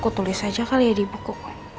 aku tulis aja kali ya di buku